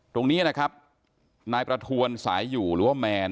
ตรงนี้นะครับนายประทวนสายอยู่หรือว่าแมน